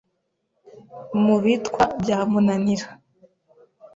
Mu bitwa bya Munanira